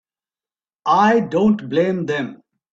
I don't blame them.